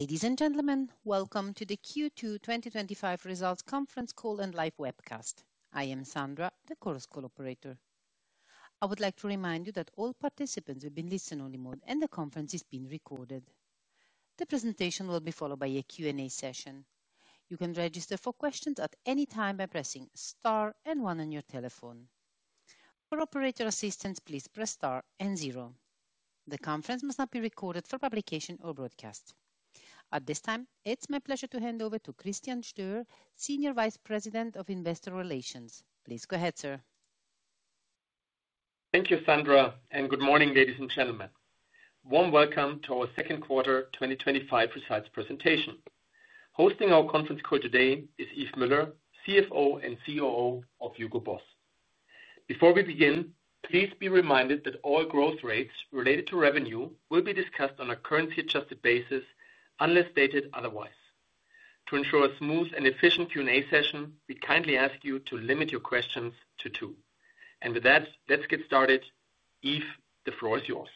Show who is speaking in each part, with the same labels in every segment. Speaker 1: Ladies and gentlemen, welcome to the Q2 2025 results conference call and live webcast. I am Sandra, the call operator. I would like to remind you that all participants will be in listen-only mode and the conference is being recorded. The presentation will be followed by a Q&A session. You can register for questions at any time by pressing star and one on your telephone. For operator assistance, please press star and zero. The conference must not be recorded for publication or broadcast. At this time, it's my pleasure to hand over to Christian Stöhr, Senior Vice President of Investor Relations. Please go ahead, sir.
Speaker 2: Thank you, Sandra, and good morning, ladies and gentlemen. Warm welcome to our second quarter 2025 results presentation. Hosting our conference call today is Yves Müller, CFO and COO of HUGO BOSS. Before we begin, please be reminded that all growth rates related to revenue will be discussed on a currency-adjusted basis unless stated otherwise. To ensure a smooth and efficient Q&A session, we kindly ask you to limit your questions to two. With that, let's get started. Yves, the floor is yours.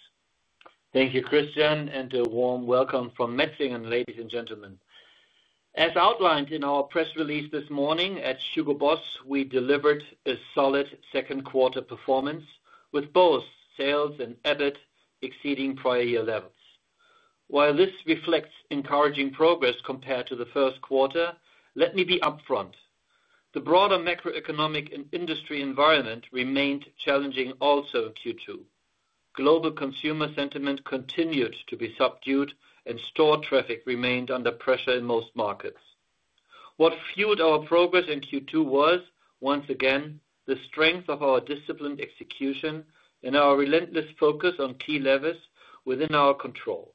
Speaker 3: Thank you, Christian, and a warm welcome from Mechelen, ladies and gentlemen. As outlined in our press release this morning at HUGO BOSS, we delivered a solid second quarter performance with both sales and EBIT exceeding prior year levels. While this reflects encouraging progress compared to the first quarter, let me be upfront. The broader macroeconomic and industry environment remained challenging also in Q2. Global consumer sentiment continued to be subdued, and store traffic remained under pressure in most markets. What fueled our progress in Q2 was, once again, the strength of our disciplined execution and our relentless focus on key levers within our control.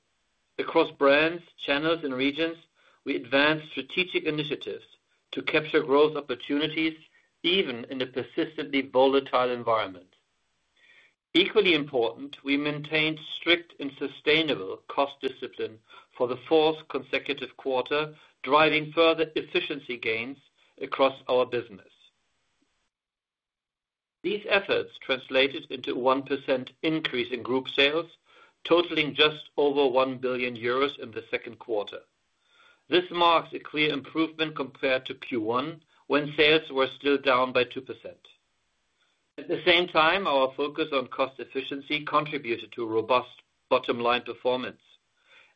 Speaker 3: Across brands, channels, and regions, we advanced strategic initiatives to capture growth opportunities even in a persistently volatile environment. Equally important, we maintained strict and sustainable cost discipline for the fourth consecutive quarter, driving further efficiency gains across our business. These efforts translated into a 1% increase in group sales, totaling just over 1 billion euros in the second quarter. This marks a clear improvement compared to Q1 when sales were still down by 2%. At the same time, our focus on cost efficiency contributed to robust bottom-line performance.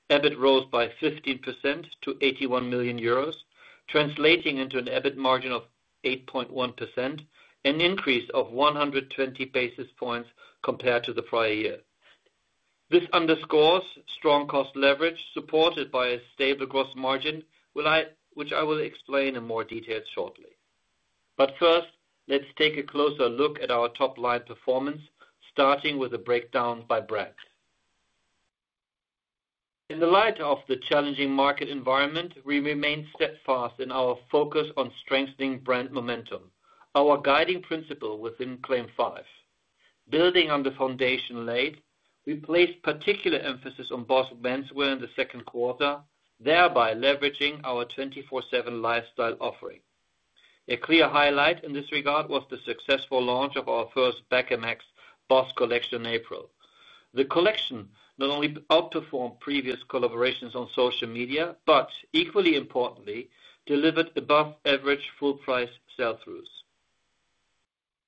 Speaker 3: EBIT rose by 15% to 81 million euros, translating into an EBIT margin of 8.1% and an increase of 120 basis points compared to the prior year. This underscores strong cost leverage supported by a stable gross margin, which I will explain in more detail shortly. First, let's take a closer look at our top-line performance, starting with a breakdown by brand. In the light of the challenging market environment, we remain steadfast in our focus on strengthening brand momentum, our guiding principle within CLAIM 5. Building on the foundation laid, we placed particular emphasis on BOSS menswear in the second quarter, thereby leveraging our 24/7 lifestyle offering. A clear highlight in this regard was the successful launch of our first Beckham X BOSS collection in April. The collection not only outperformed previous collaborations on social media, but equally importantly, delivered above-average full-price sell-throughs.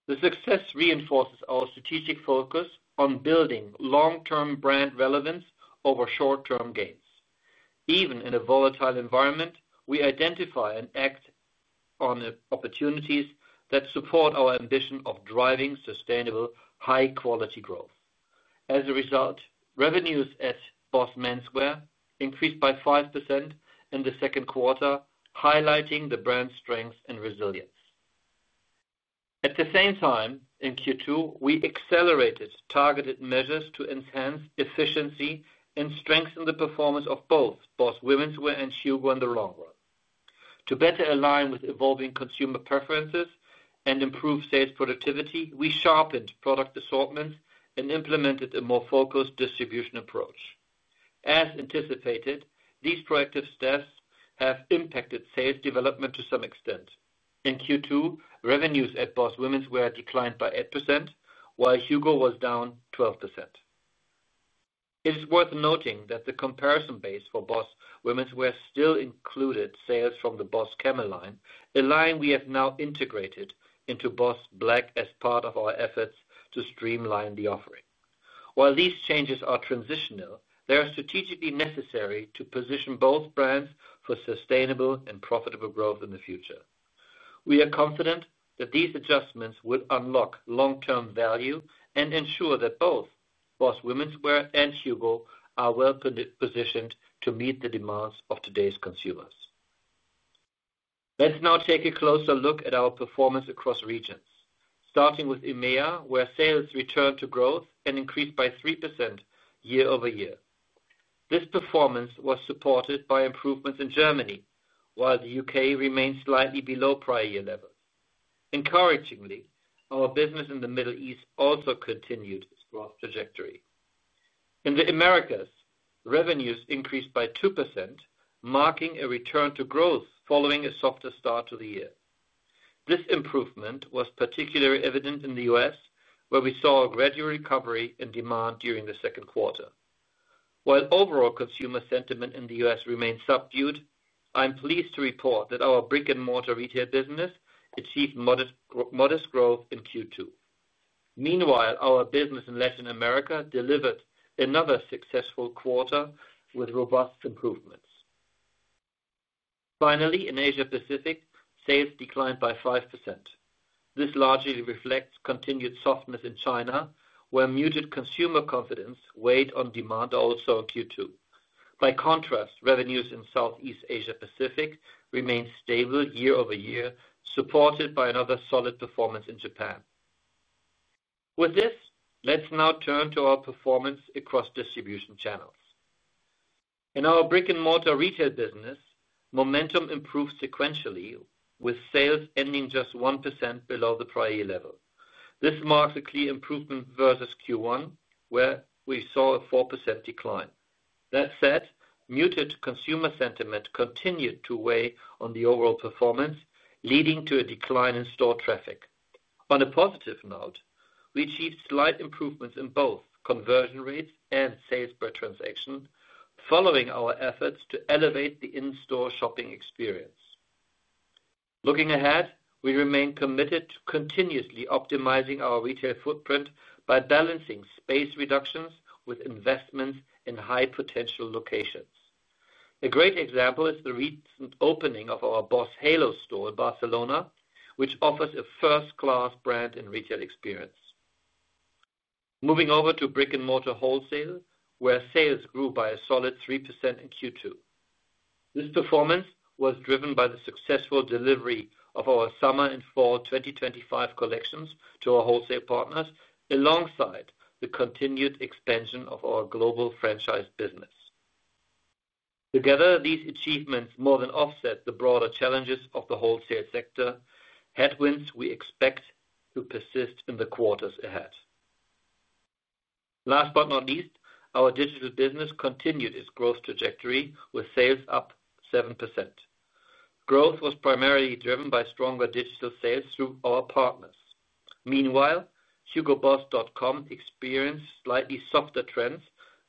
Speaker 3: The success reinforces our strategic focus on building long-term brand relevance over short-term gains. Even in a volatile environment, we identify and act on opportunities that support our ambition of driving sustainable, high-quality growth. As a result, revenues at BOSS menswear increased by 5% in the second quarter, highlighting the brand's strengths and resilience. At the same time, in Q2, we accelerated targeted measures to enhance efficiency and strengthen the performance of both BOSS menswear and shoes in the long run. To better align with evolving consumer preferences and improve sales productivity, we sharpened product assortments and implemented a more focused distribution approach. As anticipated, these proactive steps have impacted sales development to some extent. In Q2, revenues at BOSS menswear declined by 8%, while HUGO was down 12%. It is worth noting that the comparison base for BOSS menswear still included sales from the BOSS Camel line, a line we have now integrated into BOSS Black as part of our efforts to streamline the offering. While these changes are transitional, they are strategically necessary to position both brands for sustainable and profitable growth in the future. We are confident that these adjustments will unlock long-term value and ensure that both BOSS menswear and HUGO are well positioned to meet the demands of today's consumers. Let's now take a closer look at our performance across regions, starting with EMEA, where sales returned to growth and increased by 3% year-over-year. This performance was supported by improvements in Germany, while the U.K. remained slightly below prior year levels. Encouragingly, our business in the Middle East also continued its growth trajectory. In the Americas, revenues increased by 2%, marking a return to growth following a softer start to the year. This improvement was particularly evident in the U.S., where we saw a gradual recovery in demand during the second quarter. While overall consumer sentiment in the U.S. remained subdued, I'm pleased to report that our brick-and-mortar retail business achieved modest growth in Q2. Meanwhile, our business in Latin America delivered another successful quarter with robust improvements. Finally, in Asia-Pacific, sales declined by 5%. This largely reflects continued softness in China, where muted consumer confidence weighed on demand also in Q2. By contrast, revenues in Southeast Asia-Pacific remained stable year-over-year, supported by another solid performance in Japan. With this, let's now turn to our performance across distribution channels. In our brick-and-mortar retail business, momentum improved sequentially, with sales ending just 1% below the prior year level. This marks a clear improvement versus Q1, where we saw a 4% decline. That said, muted consumer sentiment continued to weigh on the overall performance, leading to a decline in store traffic. On a positive note, we achieved slight improvements in both conversion rates and sales per transaction, following our efforts to elevate the in-store shopping experience. Looking ahead, we remain committed to continuously optimizing our retail footprint by balancing space reductions with investments in high-potential locations. A great example is the recent opening of our BOSS halo store in Barcelona, which offers a first-class brand and retail experience. Moving over to brick-and-mortar wholesale, where sales grew by a solid 3% in Q2. This performance was driven by the successful delivery of our summer and fall 2025 collections to our wholesale partners, alongside the continued expansion of our global franchise business. Together, these achievements more than offset the broader challenges of the wholesale sector, headwinds we expect to persist in the quarters ahead. Last but not least, our digital business continued its growth trajectory, with sales up 7%. Growth was primarily driven by stronger digital sales through our partners. Meanwhile, hugoboss.com experienced slightly softer trends,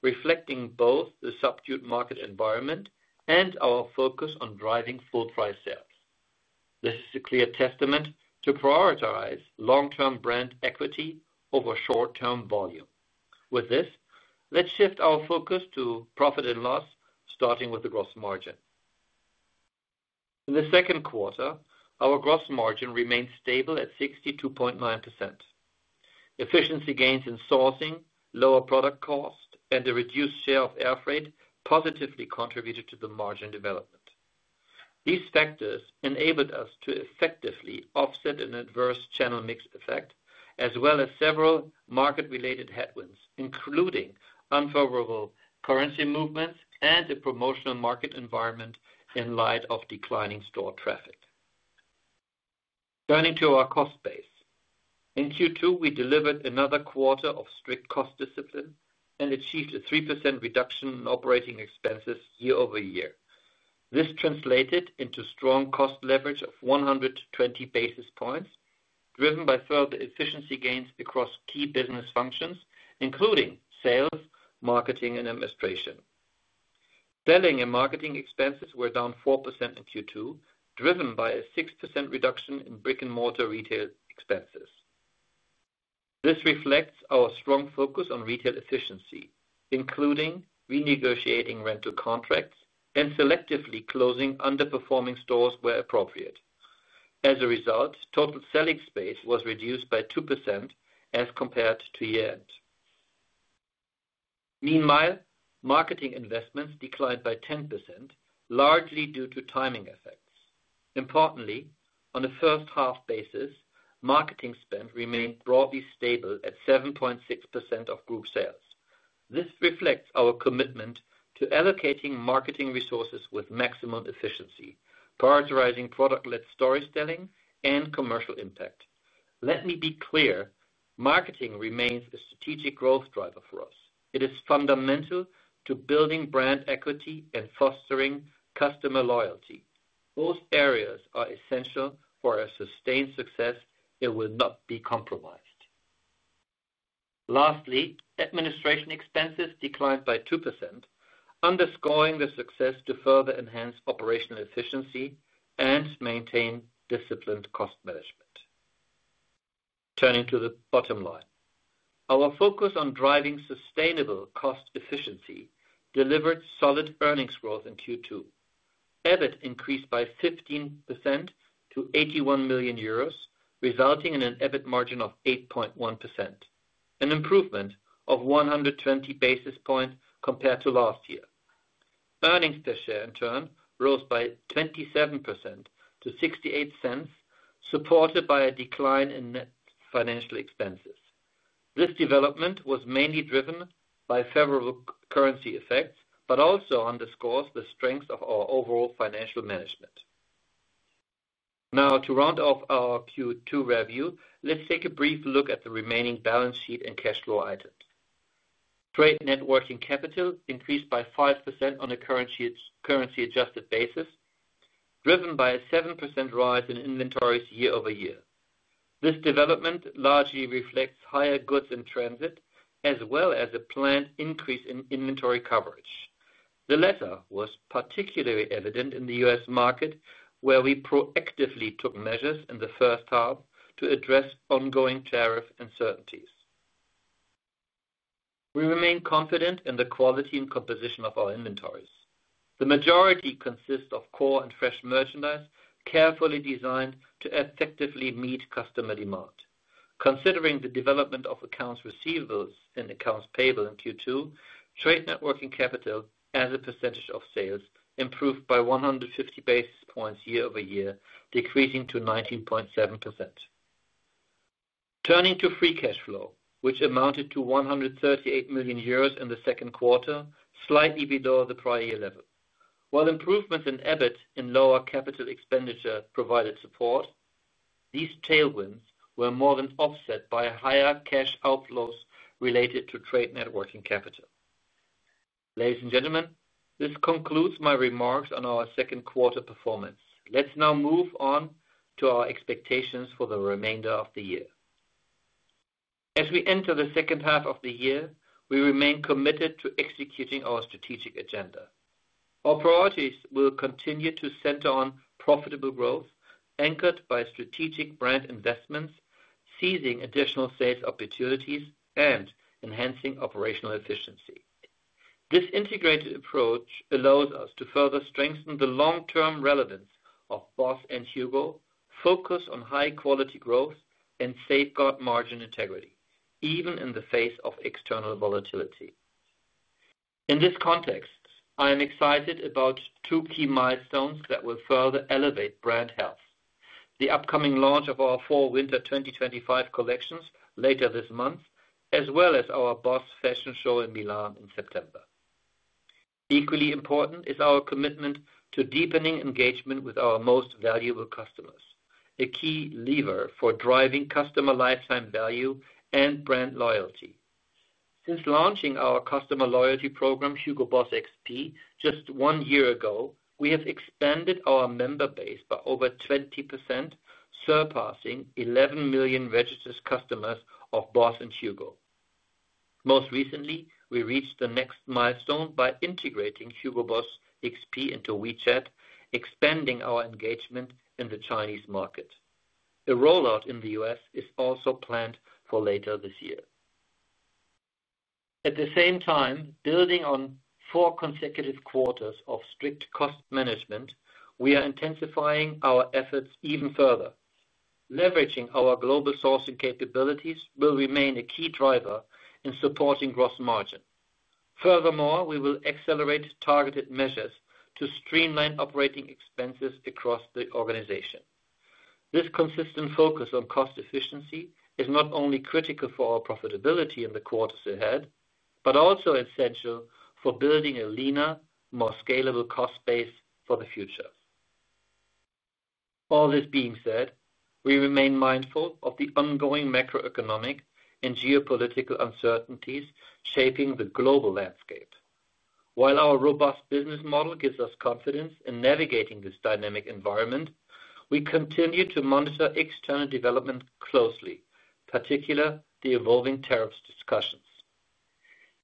Speaker 3: reflecting both the subdued market environment and our focus on driving full-price sales. This is a clear testament to prioritize long-term brand equity over short-term volume. With this, let's shift our focus to profit and loss, starting with the gross margin. In the second quarter, our gross margin remained stable at 62.9%. Efficiency gains in sourcing, lower product cost, and a reduced share of air freight positively contributed to the margin development. These factors enabled us to effectively offset an adverse channel mix effect, as well as several market-related headwinds, including unfavorable currency movements and a promotional market environment in light of declining store traffic. Turning to our cost base, in Q2, we delivered another quarter of strict cost discipline and achieved a 3% reduction in operating expenses year-over-year. This translated into strong cost leverage of 120 basis points, driven by further efficiency gains across key business functions, including sales, marketing, and administration. Selling and marketing expenses were down 4% in Q2, driven by a 6% reduction in brick-and-mortar retail expenses. This reflects our strong focus on retail efficiency, including renegotiating rental contracts and selectively closing underperforming stores where appropriate. As a result, total selling space was reduced by 2% as compared to year-end. Meanwhile, marketing investments declined by 10%, largely due to timing effects. Importantly, on a first-half basis, marketing spend remained broadly stable at 7.6% of group sales. This reflects our commitment to allocating marketing resources with maximum efficiency, prioritizing product-led storytelling and commercial impact. Let me be clear, marketing remains a strategic growth driver for us. It is fundamental to building brand equity and fostering customer loyalty. Both areas are essential for our sustained success and will not be compromised. Lastly, administration expenses declined by 2%, underscoring the success to further enhance operational efficiency and maintain disciplined cost management. Turning to the bottom line, our focus on driving sustainable cost efficiency delivered solid earnings growth in Q2. EBIT increased by 15% to 81 million euros, resulting in an EBIT margin of 8.1%, an improvement of 120 basis points compared to last year. Earnings per share, in turn, rose by 27% to 0.68, supported by a decline in net financial expenses. This development was mainly driven by favorable currency effects, but also underscores the strength of our overall financial management. Now, to round off our Q2 review, let's take a brief look at the remaining balance sheet and cash flow items. Trade net working capital increased by 5% on a currency-adjusted basis, driven by a 7% rise in inventories year-over-year. This development largely reflects higher goods in transit, as well as a planned increase in inventory coverage. The latter was particularly evident in the U.S. market, where we proactively took measures in the first half to address ongoing tariff uncertainties. We remain confident in the quality and composition of our inventories. The majority consists of core and fresh merchandise, carefully designed to effectively meet customer demand. Considering the development of accounts receivables and accounts payable in Q2, trade net working capital as a percentage of sales improved by 150 basis points year-over-year, decreasing to 19.7%. Turning to free cash flow, which amounted to 138 million euros in the second quarter, slightly below the prior year level. While improvements in EBIT and lower capital expenditure provided support, these tailwinds were more than offset by higher cash outflows related to trade net working capital. Ladies and gentlemen, this concludes my remarks on our second quarter performance. Let's now move on to our expectations for the remainder of the year. As we enter the second half of the year, we remain committed to executing our strategic agenda. Our priorities will continue to center on profitable growth, anchored by strategic brand investments, seizing additional sales opportunities, and enhancing operational efficiency. This integrated approach allows us to further strengthen the long-term relevance of BOSS and HUGO, focus on high-quality growth, and safeguard margin integrity, even in the face of external volatility. In this context, I am excited about two key milestones that will further elevate brand health: the upcoming launch of our Fall/Winter 2025 collections later this month, as well as our BOSS Fashion Show in Milan in September. Equally important is our commitment to deepening engagement with our most valuable customers, a key lever for driving customer lifetime value and brand loyalty. Since launching our customer loyalty program, HUGO BOSS XP, just one year ago, we have expanded our member base by over 20%, surpassing 11 million registered customers of BOSS and HUGO. Most recently, we reached the next milestone by integrating HUGO BOSS XP into WeChat, expanding our engagement in the Chinese market. A rollout in the U.S. is also planned for later this year. At the same time, building on four consecutive quarters of strict cost management, we are intensifying our efforts even further. Leveraging our global sourcing capabilities will remain a key driver in supporting gross margin. Furthermore, we will accelerate targeted measures to streamline operating expenses across the organization. This consistent focus on cost efficiency is not only critical for our profitability in the quarters ahead, but also essential for building a leaner, more scalable cost base for the future. All this being said, we remain mindful of the ongoing macroeconomic and geopolitical uncertainties shaping the global landscape. While our robust business model gives us confidence in navigating this dynamic environment, we continue to monitor external developments closely, particularly the evolving tariff discussions.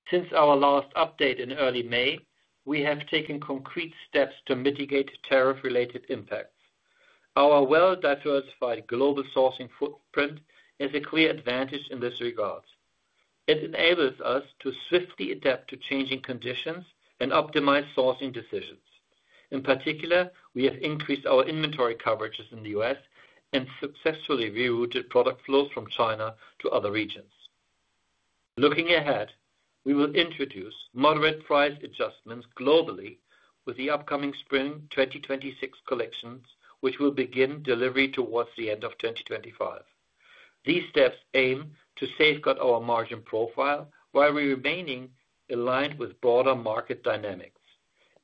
Speaker 3: Since our last update in early May, we have taken concrete steps to mitigate tariff-related impacts. Our well-diversified global sourcing footprint is a clear advantage in this regard. It enables us to swiftly adapt to changing conditions and optimize sourcing decisions. In particular, we have increased our inventory coverages in the U.S. and successfully rerouted product flows from China to other regions. Looking ahead, we will introduce moderate price adjustments globally with the upcoming Spring 2026 collections, which will begin delivery towards the end of 2025. These steps aim to safeguard our margin profile while remaining aligned with broader market dynamics.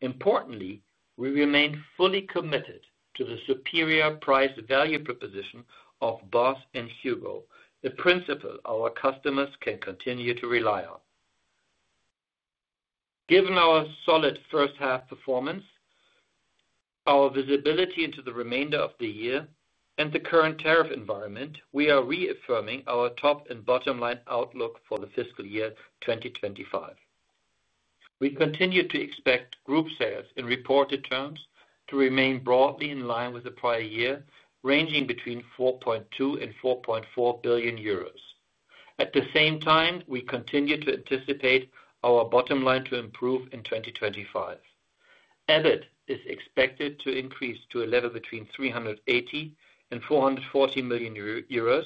Speaker 3: Importantly, we remain fully committed to the superior price-value proposition of BOSS and HUGO, a principle our customers can continue to rely on. Given our solid first-half performance, our visibility into the remainder of the year, and the current tariff environment, we are reaffirming our top and bottom line outlook for the fiscal year 2025. We continue to expect group sales in reported terms to remain broadly in line with the prior year, ranging between 4.2 billion and 4.4 billion euros. At the same time, we continue to anticipate our bottom line to improve in 2025. EBIT is expected to increase to a level between 380 million and 440 million euros,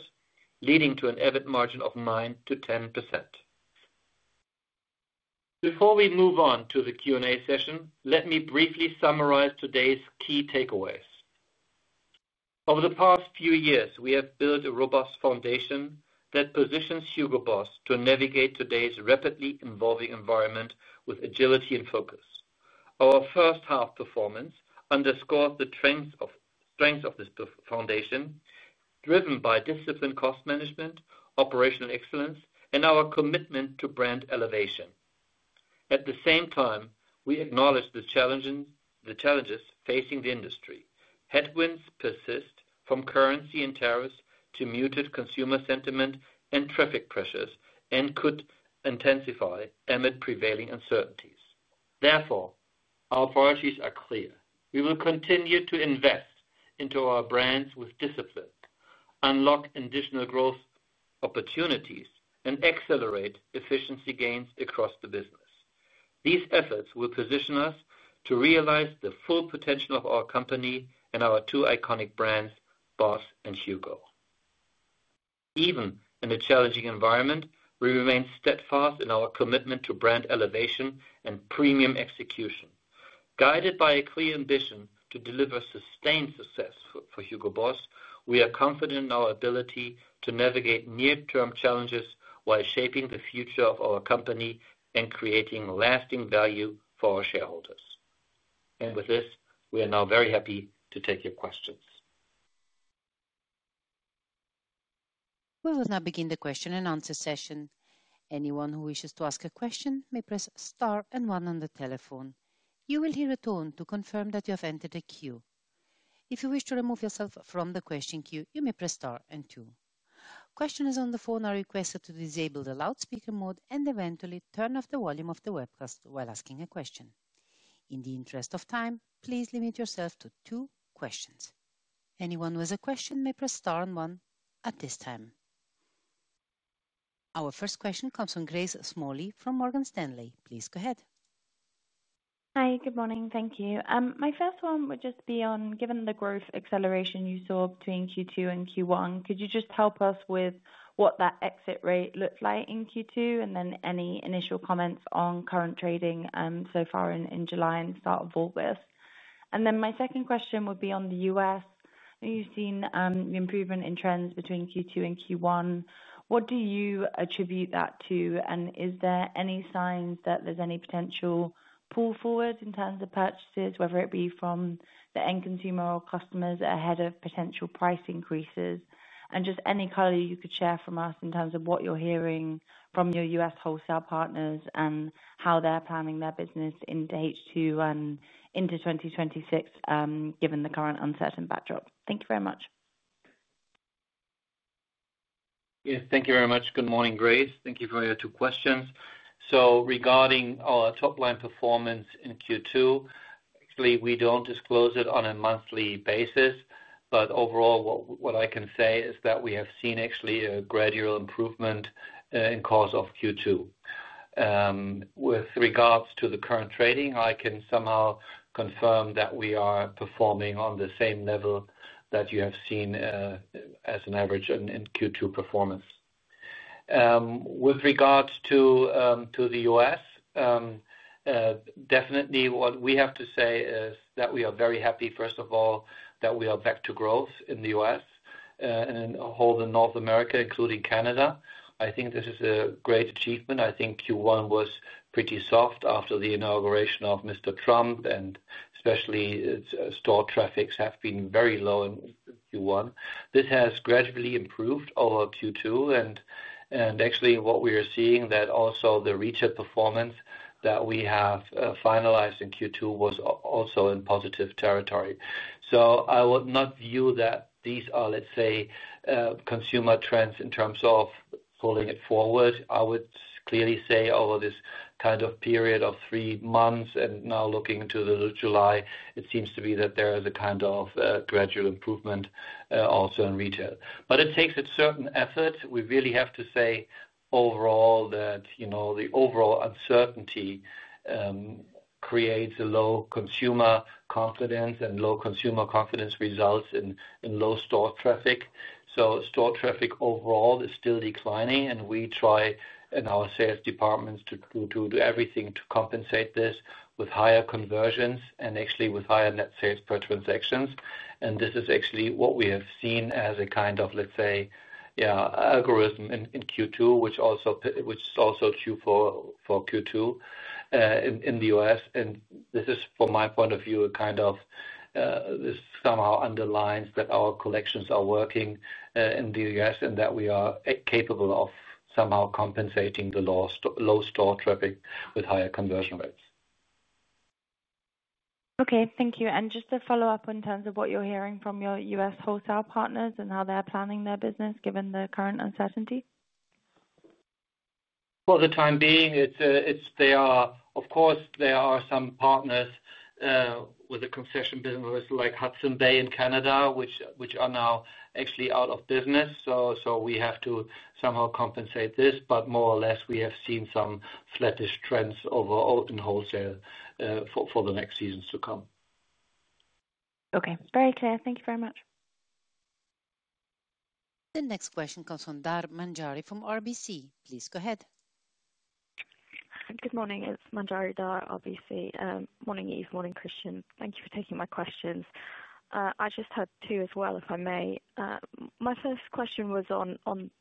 Speaker 3: leading to an EBIT margin of 9%-10%. Before we move on to the Q&A session, let me briefly summarize today's key takeaways. Over the past few years, we have built a robust foundation that positions HUGO BOSS to navigate today's rapidly evolving environment with agility and focus. Our first-half performance underscores the strengths of this foundation, driven by disciplined cost management, operational excellence, and our commitment to brand elevation. At the same time, we acknowledge the challenges facing the industry. Headwinds persist from currency and tariffs to muted consumer sentiment and traffic pressures, and could intensify amid prevailing uncertainties. Therefore, our priorities are clear. We will continue to invest into our brands with discipline, unlock additional growth opportunities, and accelerate efficiency gains across the business. These efforts will position us to realize the full potential of our company and our two iconic brands, BOSS and HUGO. Even in a challenging environment, we remain steadfast in our commitment to brand elevation and premium execution. Guided by a clear ambition to deliver sustained success for HUGO BOSS, we are confident in our ability to navigate near-term challenges while shaping the future of our company and creating lasting value for our shareholders. We are now very happy to take your questions.
Speaker 1: We will now begin the question and answer session. Anyone who wishes to ask a question may press star and one on the telephone. You will hear a tone to confirm that you have entered a queue. If you wish to remove yourself from the question queue, you may press star and two. Questioners on the phone are requested to disable the loudspeaker mode and eventually turn off the volume of the webcast while asking a question. In the interest of time, please limit yourself to two questions. Anyone with a question may press star and one at this time. Our first question comes from Grace Smalley from Morgan Stanley. Please go ahead.
Speaker 4: Hi, good morning. Thank you. My first one would just be on given the growth acceleration you saw between Q2 and Q1, could you just help us with what that exit rate looked like in Q2, and then any initial comments on current trading so far in July and start of August? My second question would be on the U.S. You've seen the improvement in trends between Q2 and Q1. What do you attribute that to? Is there any sign that there's any potential pull forward in terms of purchases, whether it be from the end consumer or customers ahead of potential price increases? Any color you could share from us in terms of what you're hearing from your U.S. wholesale partners and how they're planning their business into H2 and into 2026, given the current uncertain backdrop. Thank you very much.
Speaker 3: Yes, thank you very much. Good morning, Grace. Thank you for your two questions. Regarding our top-line performance in Q2, actually, we don't disclose it on a monthly basis, but overall, what I can say is that we have seen actually a gradual improvement in the course of Q2. With regards to the current trading, I can somehow confirm that we are performing on the same level that you have seen as an average in Q2 performance. With regards to the U.S., definitely what we have to say is that we are very happy, first of all, that we are back to growth in the U.S. and in all North America, including Canada. I think this is a great achievement. I think Q1 was pretty soft after the inauguration of Mr. Trump, and especially store traffic has been very low in Q1. This has gradually improved over Q2, and actually what we are seeing is that also the retail performance that we have finalized in Q2 was also in positive territory. I would not view that these are, let's say, consumer trends in terms of pulling it forward. I would clearly say over this kind of period of three months and now looking into July, it seems to be that there is a kind of gradual improvement also in retail. It takes a certain effort. We really have to say overall that the overall uncertainty creates a low consumer confidence, and low consumer confidence results in low store traffic. Store traffic overall is still declining, and we try in our sales departments to do everything to compensate this with higher conversions and actually with higher net sales per transaction. This is actually what we have seen as a kind of, let's say, algorithm in Q2, which also is true for Q2 in the U.S. This is, from my point of view, a kind of, this somehow underlines that our collections are working in the U.S. and that we are capable of somehow compensating the low store traffic with higher conversion rates.
Speaker 4: Thank you. Just to follow up in terms of what you're hearing from your U.S. wholesale partners and how they're planning their business given the current uncertainty?
Speaker 3: For the time being, there are, of course, some partners with the concession business like Hudson's Bay in Canada, which are now actually out of business. We have to somehow compensate this, but more or less we have seen some flattish trends overall in wholesale for the next seasons to come.
Speaker 4: Okay, very clear. Thank you very much.
Speaker 1: The next question comes from Dhar Manjari from RBC. Please go ahead.
Speaker 5: Good morning. It's Manjari Dhar, RBC. Morning, Yves. Morning, Christian. Thank you for taking my questions. I just had two as well, if I may. My first question was on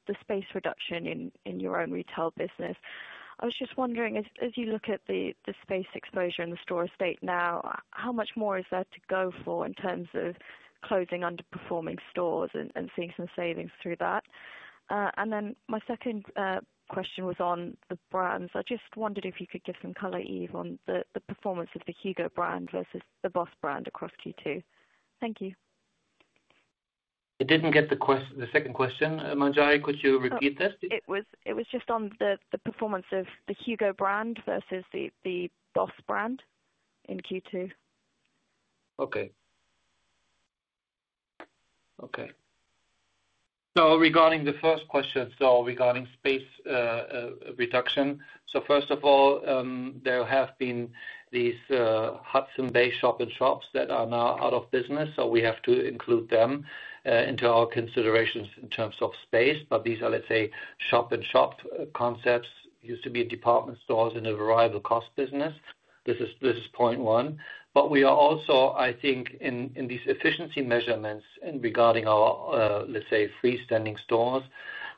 Speaker 5: the space reduction in your own retail business. I was just wondering, as you look at the space exposure in the store estate now, how much more is there to go for in terms of closing underperforming stores and seeing some savings through that? My second question was on the brands. I just wondered if you could give some color, Yves, on the performance of the HUGO brand versus the BOSS brand across Q2. Thank you.
Speaker 3: I didn't get the second question, Manjari. Could you repeat that?
Speaker 5: It was just on the performance of the HUGO brand versus the BOSS brand in Q2.
Speaker 3: Okay. Regarding the first question, regarding space reduction, first of all, there have been these Hudson's Bay shop and shops that are now out of business. We have to include them into our considerations in terms of space. These are, let's say, shop and shop concepts used to be in department stores in a variable cost business. This is point one. We are also, I think, in these efficiency measurements regarding our, let's say, freestanding stores,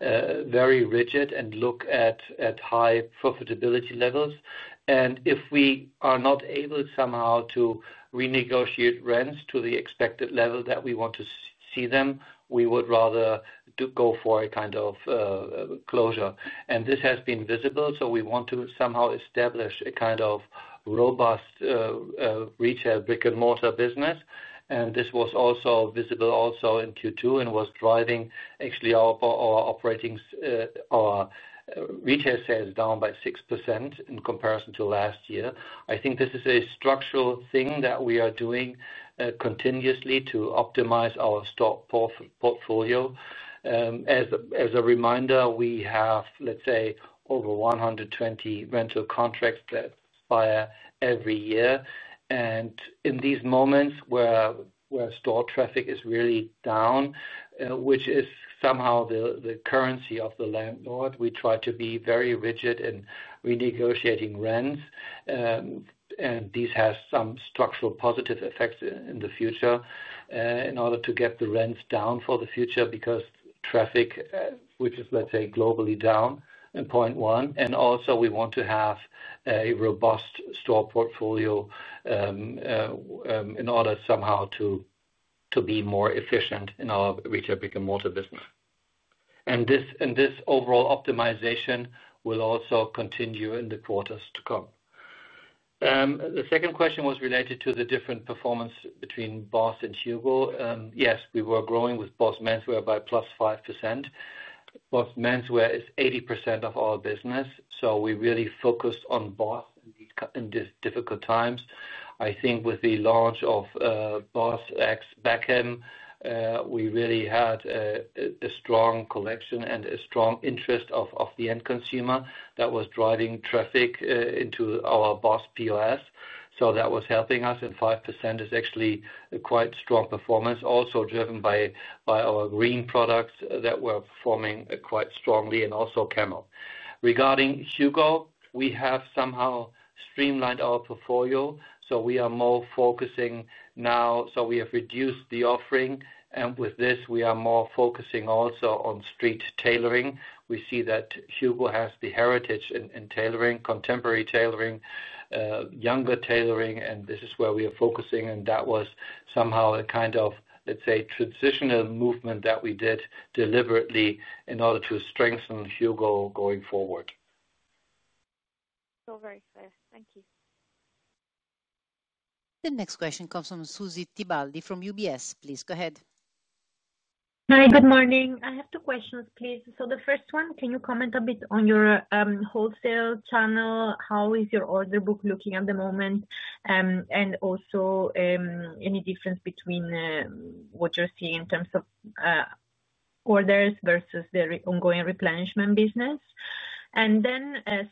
Speaker 3: very rigid and look at high profitability levels. If we are not able somehow to renegotiate rents to the expected level that we want to see them, we would rather go for a kind of closure. This has been visible. We want to somehow establish a kind of robust retail brick-and-mortar business. This was also visible in Q2 and was driving actually our operating retail sales down by 6% in comparison to last year. I think this is a structural thing that we are doing continuously to optimize our store portfolio. As a reminder, we have, let's say, over 120 rental contracts that fire every year. In these moments where store traffic is really down, which is somehow the currency of the landlord, we try to be very rigid in renegotiating rents. These have some structural positive effects in the future in order to get the rents down for the future because traffic, which is, let's say, globally down in point one. We want to have a robust store portfolio in order somehow to be more efficient in our retail brick-and-mortar business. This overall optimization will also continue in the quarters to come. The second question was related to the different performance between BOSS and HUGO. Yes, we were growing with BOSS menswear by +5%. BOSS menswear is 80% of our business. We really focused on BOSS in these difficult times. I think with the launch of BOSS X Beckham, we really had a strong collection and a strong interest of the end consumer that was driving traffic into our BOSS POS. That was helping us, and 5% is actually a quite strong performance, also driven by our green products that were performing quite strongly and also Camel. Regarding HUGO, we have somehow streamlined our portfolio. We are more focusing now. We have reduced the offering. With this, we are more focusing also on street tailoring. We see that HUGO has the heritage in tailoring, contemporary tailoring, younger tailoring, and this is where we are focusing. That was somehow a kind of, let's say, transitional movement that we did deliberately in order to strengthen HUGO going forward.
Speaker 5: All very clear. Thank you.
Speaker 1: The next question comes from Susy Tibaldi from UBS. Please go ahead.
Speaker 6: Hi, good morning. I have two questions, please. The first one, can you comment a bit on your wholesale channel? How is your order book looking at the moment? Also, any difference between what you're seeing in terms of orders versus the ongoing replenishment business?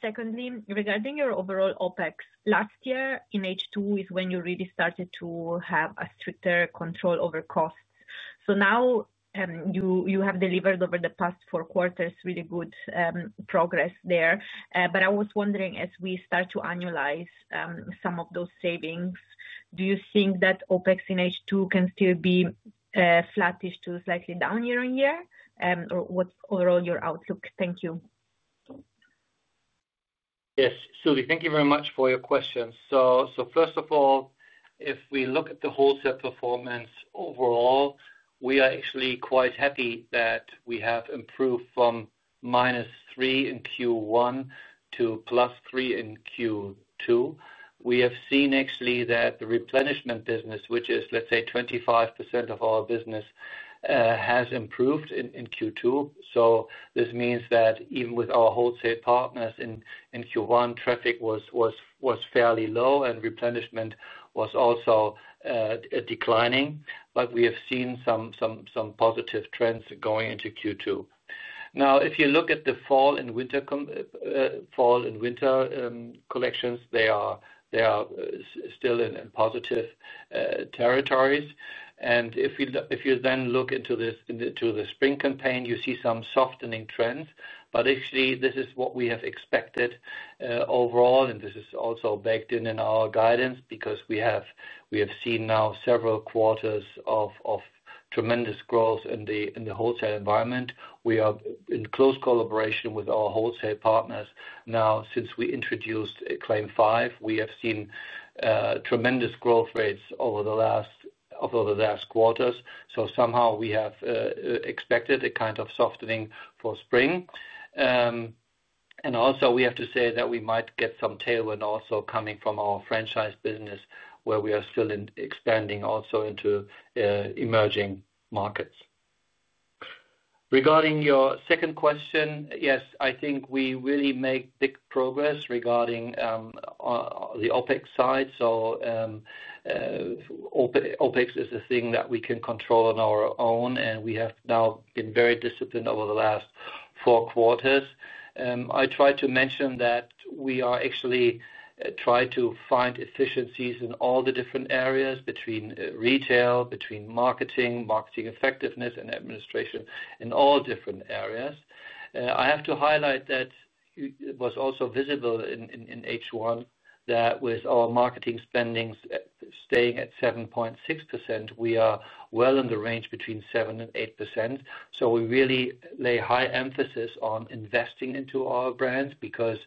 Speaker 6: Secondly, regarding your overall OpEx, last year in H2 is when you really started to have a stricter control over costs. Now you have delivered over the past four quarters really good progress there. I was wondering, as we start to annualize some of those savings, do you think that OpEx in H2 can still be flattish to slightly down year-on-year? What's overall your outlook? Thank you.
Speaker 3: Yes, Susy, thank you very much for your question. First of all, if we look at the wholesale performance overall, we are actually quite happy that we have improved from -3% in Q1 to +3% in Q2. We have seen that the replenishment business, which is, let's say, 25% of our business, has improved in Q2. This means that even with our wholesale partners in Q1, traffic was fairly low and replenishment was also declining. We have seen some positive trends going into Q2. If you look at the fall and winter collections, they are still in positive territories. If you then look into the spring campaign, you see some softening trends. Actually, this is what we have expected overall, and this is also baked in our guidance because we have seen several quarters of tremendous growth in the wholesale environment. We are in close collaboration with our wholesale partners now since we introduced CLAIM 5. We have seen tremendous growth rates over the last quarters. We have expected a kind of softening for spring. We have to say that we might get some tailwind also coming from our franchise business where we are still expanding into emerging markets. Regarding your second question, I think we really make big progress regarding the OpEx side. OpEx is a thing that we can control on our own, and we have now been very disciplined over the last four quarters. I tried to mention that we are actually trying to find efficiencies in all the different areas between retail, between marketing, marketing effectiveness, and administration in all different areas. I have to highlight that it was also visible in H1 that with our marketing spendings staying at 7.6%, we are well in the range between 7% and 8%. We really lay high emphasis on investing into our brands because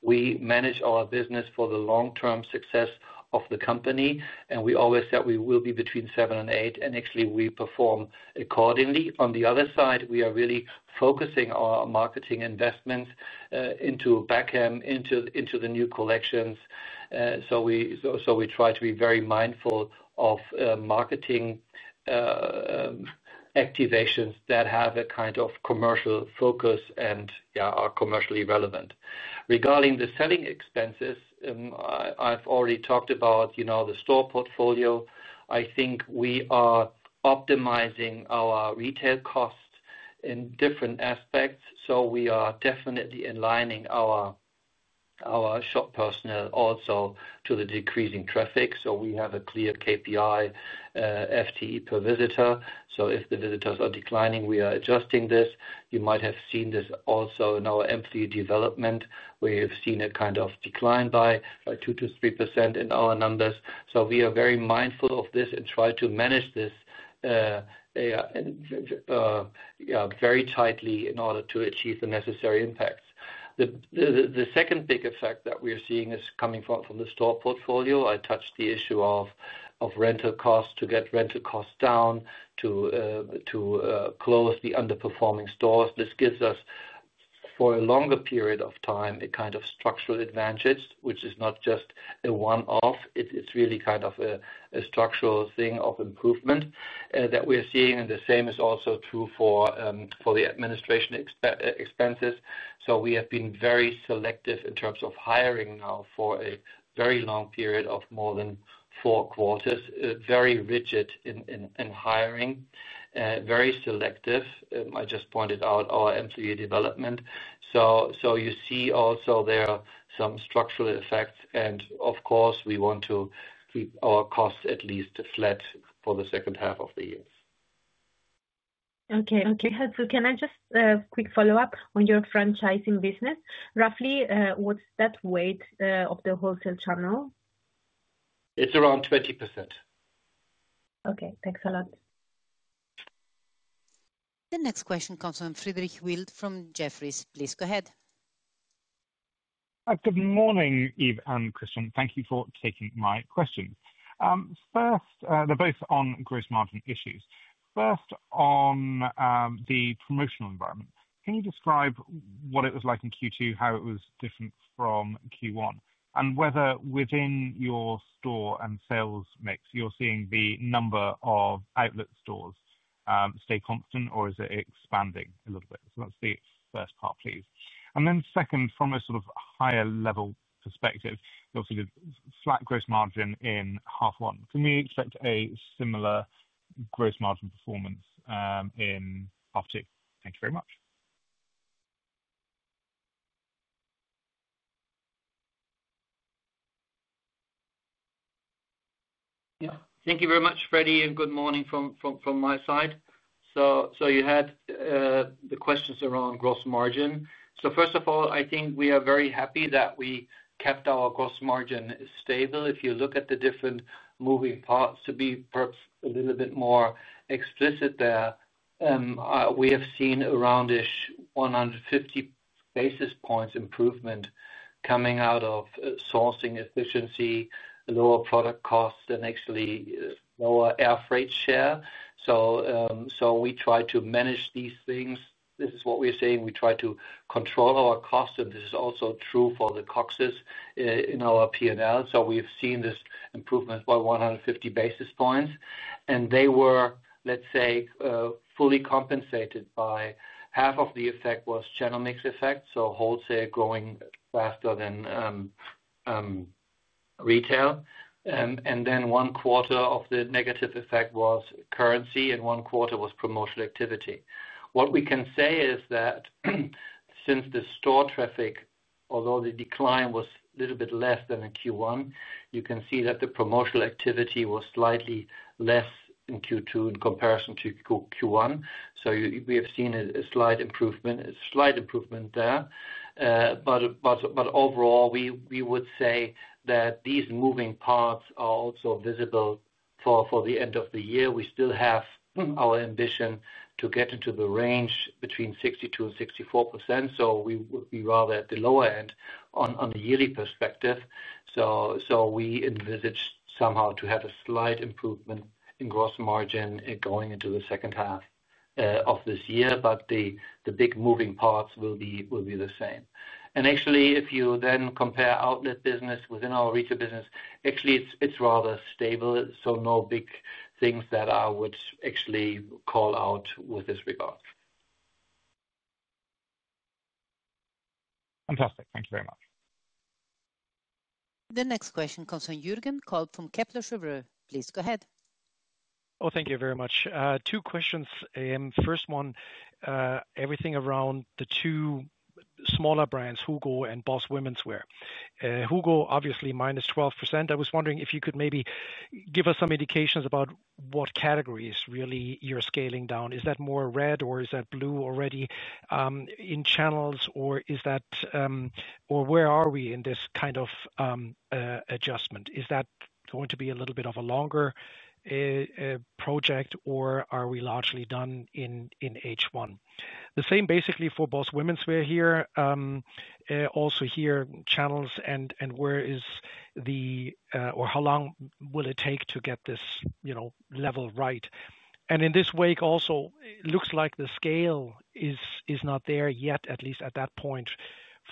Speaker 3: we manage our business for the long-term success of the company. We always said we will be between 7% and 8%, and actually, we perform accordingly. On the other side, we are really focusing our marketing investments into Beckham, into the new collections. We try to be very mindful of marketing activations that have a kind of commercial focus and are commercially relevant. Regarding the selling expenses, I've already talked about the store portfolio. I think we are optimizing our retail costs in different aspects. We are definitely aligning our shop personnel also to the decreasing traffic. We have a clear KPI, FTE per visitor. If the visitors are declining, we are adjusting this. You might have seen this also in our employee development, where you've seen a kind of decline by 2%-3% in our numbers. We are very mindful of this and try to manage this very tightly in order to achieve the necessary impacts. The second big effect that we are seeing is coming from the store portfolio. I touched the issue of rental costs to get rental costs down to close the underperforming stores. This gives us, for a longer period of time, a kind of structural advantage, which is not just a one-off. It's really kind of a structural thing of improvement that we are seeing. The same is also true for the administration expenses. We have been very selective in terms of hiring now for a very long period of more than four quarters, very rigid in hiring, very selective. I just pointed out our employee development. You see also there are some structural effects. Of course, we want to keep our costs at least flat for the second half of the year.
Speaker 6: Okay. Can I just quick follow-up on your franchising business? Roughly, what's that weight of the wholesale channel?
Speaker 3: It's around 20%.
Speaker 6: Okay, thanks a lot.
Speaker 1: The next question comes from Freddie Wild from Jefferies. Please go ahead.
Speaker 7: Good morning, Yves and Christian. Thank you for taking my question. First, they're both on gross margin issues. First, on the promotional environment, can you describe what it was like in Q2, how it was different from Q1, and whether within your store and sales mix, you're seeing the number of outlet stores stay constant or is it expanding a little bit? That's the first part, please. Then second, from a sort of higher-level perspective, you obviously did flat gross margin in half one. Can we expect a similar gross margin performance in half two? Thank you very much.
Speaker 3: Yeah, thank you very much, Freddie, and good morning from my side. You had the questions around gross margin. First of all, I think we are very happy that we kept our gross margin stable. If you look at the different moving parts, to be perhaps a little bit more explicit there, we have seen around 150 basis points improvement coming out of sourcing efficiency, lower product costs, and actually lower air freight share. We try to manage these things. This is what we're saying. We try to control our costs, and this is also true for the COGS in our P&L. We've seen this improvement by 150 basis points. They were, let's say, fully compensated by half of the effect being channel mix effect, with wholesale going faster than retail. One quarter of the negative effect was currency, and one quarter was promotional activity. What we can say is that since the store traffic, although the decline was a little bit less than in Q1, you can see that the promotional activity was slightly less in Q2 in comparison to Q1. We have seen a slight improvement there. Overall, we would say that these moving parts are also visible for the end of the year. We still have our ambition to get into the range between 62%-64%. We are rather at the lower end on the yearly perspective. We envisage somehow to have a slight improvement in gross margin going into the second half of this year. The big moving parts will be the same. Actually, if you then compare outlet business within our retail business, it's rather stable. No big things that I would actually call out with this regard.
Speaker 7: Fantastic. Thank you very much.
Speaker 1: The next question comes from Jürgen Kolb from Kepler Cheuvreux. Please go ahead.
Speaker 8: Thank you very much. Two questions. First one, everything around the two smaller brands, HUGO and BOSS womenswear. HUGO, obviously -12%. I was wondering if you could maybe give us some indications about what categories really you're scaling down. Is that more Red or is that Blue already in channels? Where are we in this kind of adjustment? Is that going to be a little bit of a longer project or are we largely done in H1? The same basically for BOSS womenswear here. Also here, channels and where is the or how long will it take to get this level right? In this wake also, it looks like the scale is not there yet, at least at that point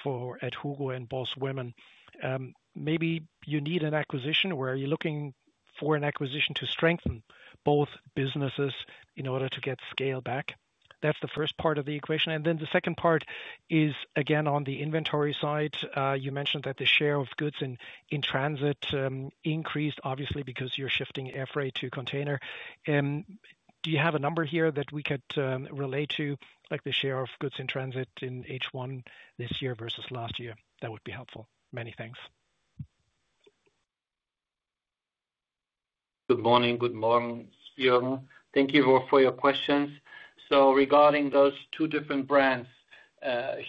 Speaker 8: for HUGO and BOSS women. Maybe you need an acquisition or are you looking for an acquisition to strengthen both businesses in order to get scale back? That's the first part of the equation. The second part is again on the inventory side. You mentioned that the share of goods in transit increased, obviously, because you're shifting air freight to container. Do you have a number here that we could relate to, like the share of goods in transit in H1 this year versus last year? That would be helpful. Many thanks.
Speaker 3: Good morning. Good morning, Jürgen. Thank you for your questions. Regarding those two different brands,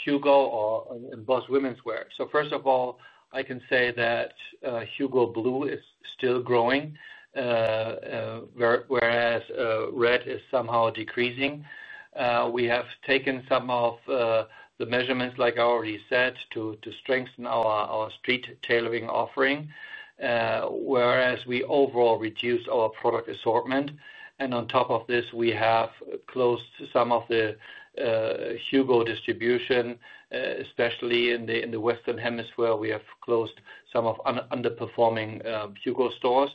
Speaker 3: HUGO and BOSS womenswear, first of all, I can say that HUGO Blue is still growing, whereas Red is somehow decreasing. We have taken some of the measurements, like I already said, to strengthen our street tailoring offering, whereas we overall reduced our product assortment. On top of this, we have closed some of the HUGO distribution, especially in the Western Hemisphere. We have closed some of the underperforming HUGO stores.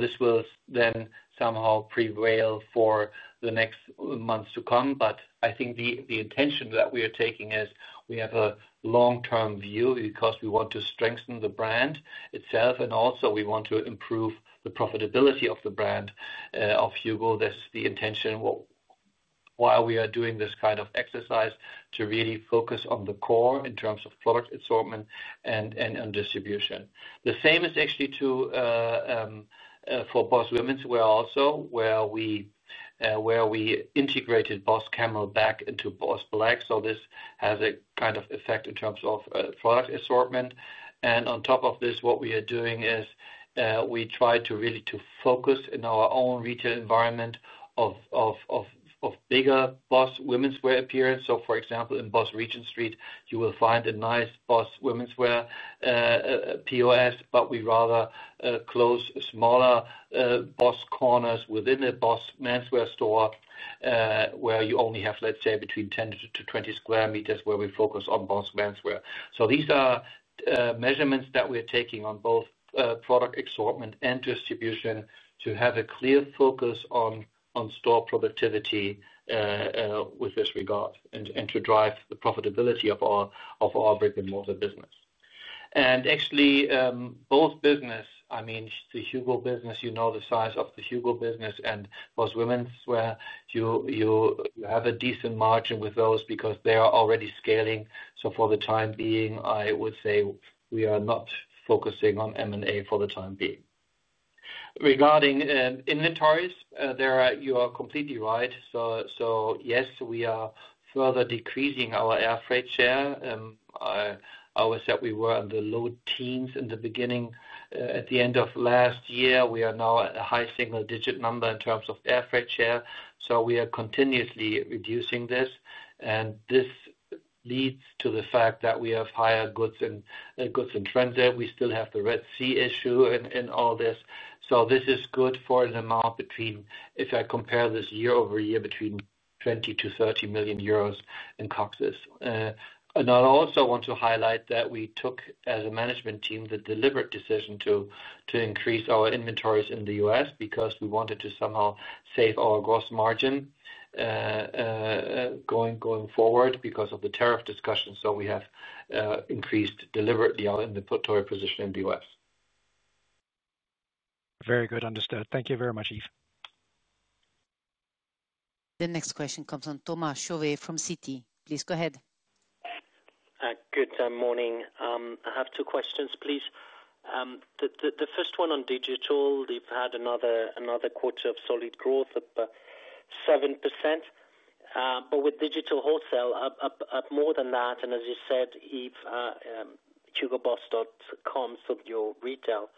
Speaker 3: This will then somehow prevail for the next months to come. I think the intention that we are taking is we have a long-term view because we want to strengthen the brand itself and also we want to improve the profitability of the brand of HUGO. That's the intention while we are doing this kind of exercise to really focus on the core in terms of product assortment and distribution. The same is actually true for BOSS womenswear also, where we integrated BOSS Camel back into BOSS Black. This has a kind of effect in terms of product assortment. On top of this, what we are doing is we try to really focus in our own retail environment on a bigger BOSS womenswear appearance. For example, in BOSS Regent Street, you will find a nice BOSS womenswear POS, but we rather close smaller BOSS corners within a BOSS menswear store where you only have, let's say, between 10 sq m-20 sq m where we focus on BOSS menswear. These are measurements that we're taking on both product assortment and distribution to have a clear focus on store productivity with this regard and to drive the profitability of our brick-and-mortar business. Actually, both business, I mean the HUGO business, you know the size of the HUGO business and BOSS womenswear, you have a decent margin with those because they are already scaling. For the time being, I would say we are not focusing on M&A for the time being. Regarding inventories, you are completely right. Yes, we are further decreasing our air freight share. I always said we were in the low teens in the beginning. At the end of last year, we are now at a high single-digit number in terms of air freight share. We are continuously reducing this. This leads to the fact that we have higher goods in transit. We still have the Red Sea issue in all this. This is good for an amount between, if I compare this year-over-year, between 20 million-30 million euros in COGS. I also want to highlight that we took as a management team the deliberate decision to increase our inventories in the U.S. because we wanted to somehow save our gross margin going forward because of the tariff discussion. We have increased deliberately our inventory position in the U.S.
Speaker 8: Very good. Understood. Thank you very much, Yves.
Speaker 1: The next question comes from Thomas Chauvet from Citi. Please go ahead.
Speaker 9: Good morning. I have two questions, please. The first one on digital. We've had another quarter of solid growth of 7%. With digital wholesale up more than that, and as you said, Yves, hugoboss.com, so your retail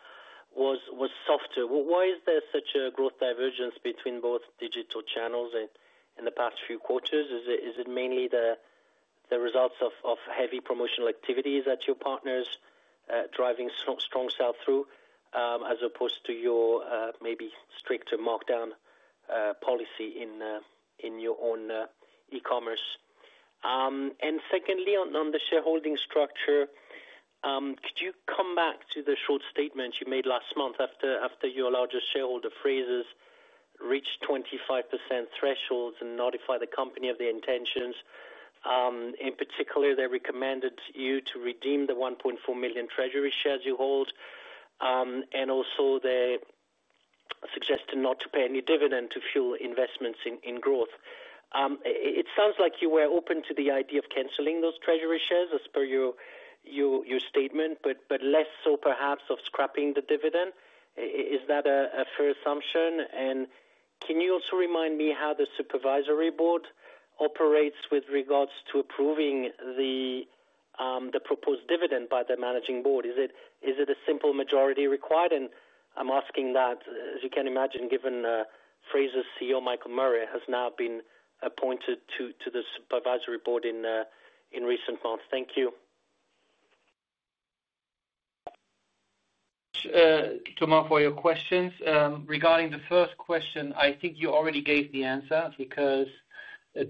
Speaker 9: was softer. Why is there such a growth divergence between both digital channels in the past few quarters? Is it mainly the result of heavy promotional activities at your partners driving strong sell-through as opposed to your maybe stricter markdown policy in your own e-commerce? Secondly, on the shareholding structure, could you come back to the short statement you made last month after your largest shareholder Frasers reached 25% thresholds and notified the company of the intentions? In particular, they recommended you to redeem the 1.4 million treasury shares you hold. They also suggested not to pay any dividend to fuel investments in growth. It sounds like you were open to the idea of canceling those treasury shares, as per your statement, but less so perhaps of scrapping the dividend. Is that a fair assumption? Can you also remind me how the Supervisory Board operates with regards to approving the proposed dividend by the Managing Board? Is it a simple majority required? I'm asking that, as you can imagine, given Frasers CEO Michael Murray has now been appointed to the Supervisory Board in recent months. Thank you.
Speaker 3: Thomas, for your questions. Regarding the first question, I think you already gave the answer because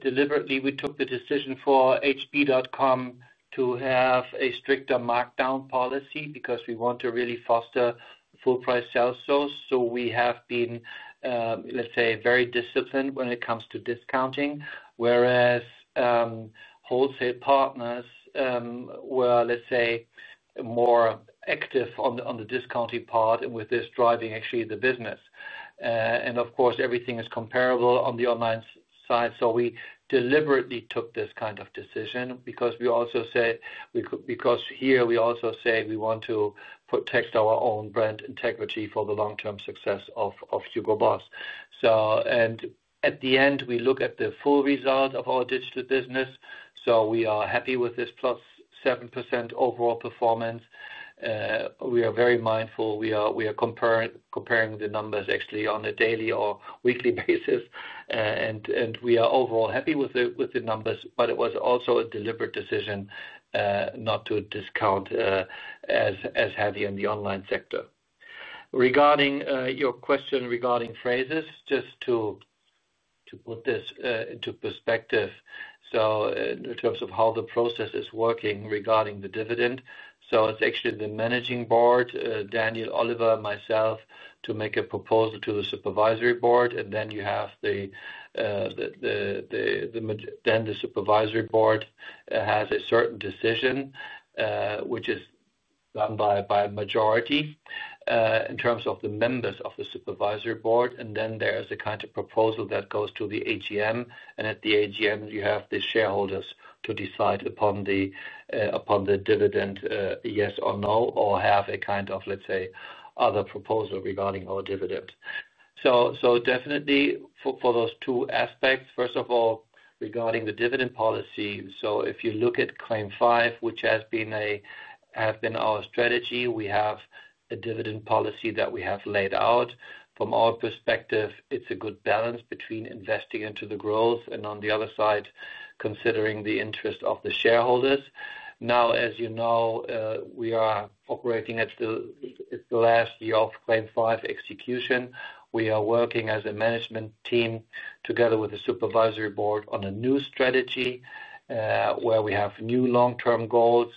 Speaker 3: deliberately we took the decision for hugoboss.com to have a stricter markdown policy because we want to really foster full-price sales. We have been very disciplined when it comes to discounting, whereas wholesale partners were more active on the discounting part and with this driving actually the business. Everything is comparable on the online side. We deliberately took this kind of decision because we also say we want to protect our own brand integrity for the long-term success of HUGO BOSS. At the end, we look at the full result of our digital business. We are happy with this +7% overall performance. We are very mindful. We are comparing the numbers actually on a daily or weekly basis. We are overall happy with the numbers, but it was also a deliberate decision not to discount as heavy in the online sector. Regarding your question regarding Frasers, just to put this into perspective, in terms of how the process is working regarding the dividend, it's actually the Managing Board, Daniel, Oliver, myself, to make a proposal to the Supervisory Board. Then the Supervisory Board has a certain decision, which is done by a majority in terms of the members of the Supervisory Board. There is a kind of proposal that goes to the AGM. At the AGM, you have the shareholders to decide upon the dividend, yes or no, or have a kind of, let's say, other proposal regarding our dividend. Definitely for those two aspects, first of all, regarding the dividend policy, if you look at CLAIM 5, which has been our strategy, we have a dividend policy that we have laid out. From our perspective, it's a good balance between investing into the growth and on the other side, considering the interest of the shareholders. As you know, we are operating at the last year of CLAIM 5 execution. We are working as a management team together with the Supervisory Board on a new strategy where we have new long-term goals.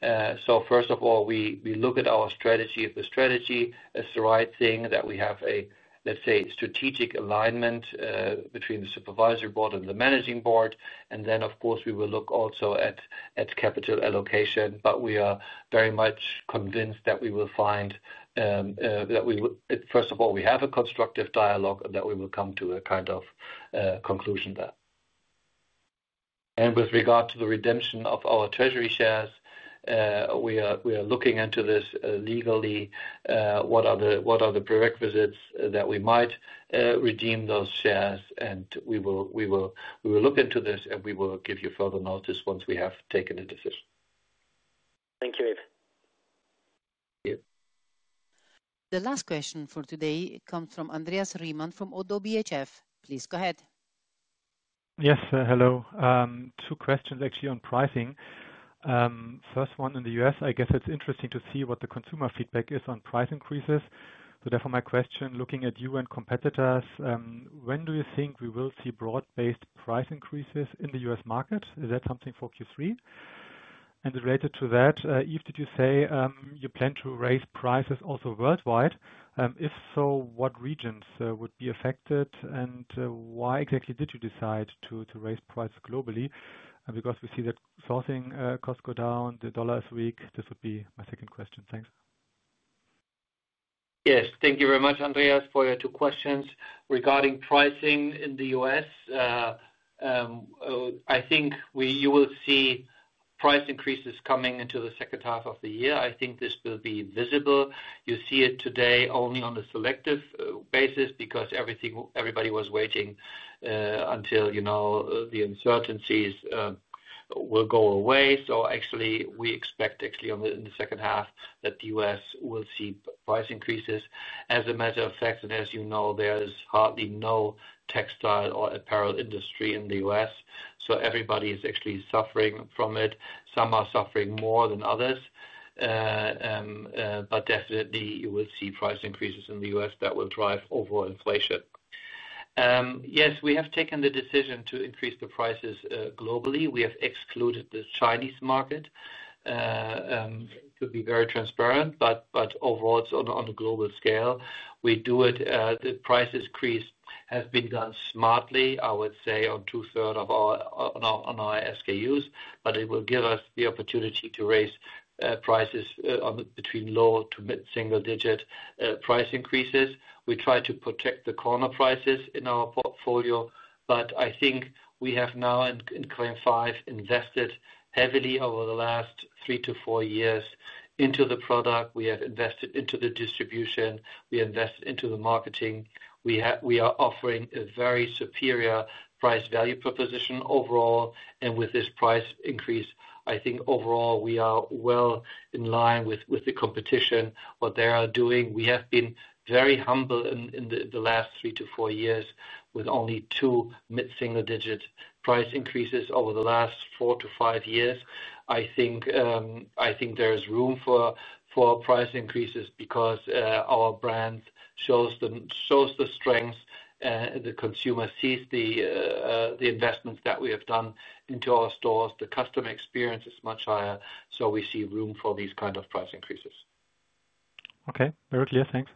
Speaker 3: First of all, we look at our strategy, if the strategy is the right thing, that we have a, let's say, strategic alignment between the Supervisory Board and the Managing Board. Of course, we will look also at capital allocation. We are very much convinced that we will find that we will, first of all, we have a constructive dialogue and that we will come to a kind of conclusion there. With regard to the redemption of our treasury shares, we are looking into this legally. What are the prerequisites that we might redeem those shares? We will look into this and we will give you further notice once we have taken a decision.
Speaker 9: Thank you, Yves.
Speaker 3: Yep.
Speaker 1: The last question for today comes from Andreas Riemann from ODDO BHF. Please go ahead.
Speaker 10: Yes, hello. Two questions actually on pricing. First one in the U.S., I guess it's interesting to see what the consumer feedback is on price increases. Therefore, my question, looking at you and competitors, when do you think we will see broad-based price increases in the U.S. market? Is that something for Q3? Related to that, Yves, did you say you plan to raise prices also worldwide? If so, what regions would be affected and why exactly did you decide to raise prices globally? Because we see that sourcing costs go down, the dollar is weak. This would be my second question. Thanks.
Speaker 3: Yes, thank you very much, Andreas, for your two questions. Regarding pricing in the U.S., I think you will see price increases coming into the second half of the year. I think this will be visible. You see it today only on a selective basis because everybody was waiting until the uncertainties will go away. We expect in the second half that the U.S. will see price increases. As a matter of fact, and as you know, there is hardly any textile or apparel industry in the U.S. Everybody is actually suffering from it. Some are suffering more than others. You will see price increases in the U.S. that will drive overall inflation. We have taken the decision to increase the prices globally. We have excluded the Chinese market, to be very transparent. Overall, it's on a global scale. We do it. The price increase has been done smartly, I would say, on 2/3 of our SKUs. It will give us the opportunity to raise prices between low to mid-single-digit price increases. We try to protect the corner prices in our portfolio. I think we have now in CLAIM 5 invested heavily over the last three to four years into the product. We have invested into the distribution. We invested into the marketing. We are offering a very superior price-value proposition overall. With this price increase, I think overall we are well in line with the competition, what they are doing. We have been very humble in the last three to four years with only two mid-single-digit price increases over the last four to five years. I think there is room for price increases because our brand shows the strengths and the consumer sees the investments that we have done into our stores. The customer experience is much higher. We see room for these kinds of price increases.
Speaker 10: Okay, very clear. Thanks.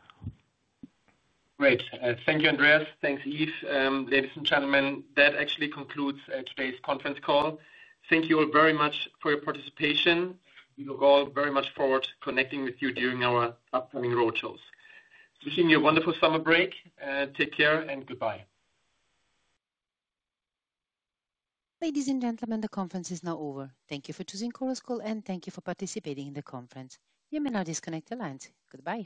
Speaker 2: Great. Thank you, Andreas. Thanks, Yves. Ladies and gentlemen, that actually concludes today's conference call. Thank you all very much for your participation. We look all very much forward to connecting with you during our upcoming roadshows. Wishing you a wonderful summer break. Take care and goodbye.
Speaker 1: Ladies and gentlemen, the conference is now over. Thank you for choosing HUGO BOSS and thank you for participating in the conference. You may now disconnect the lines. Goodbye.